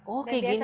oh kayak gini